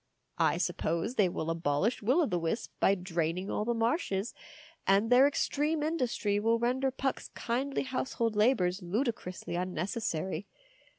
I suppose they will abolish Will o' the Wisp by draining all the marshes, and their extreme industry will render Puck's kindly household labours ludicrously un necessary.